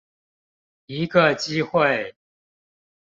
一個機會